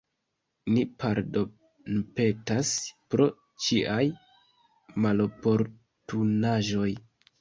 Ni pardonpetas pro ĉiaj maloportunaĵoj.